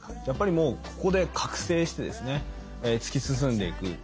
やっぱりもうここで覚醒してですね突き進んでいく。